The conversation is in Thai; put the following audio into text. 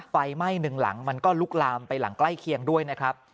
ไฟไหม้หนึ่งหลังมันก็ลุกลามไปหลังใกล้เคียงด้วยนะครับ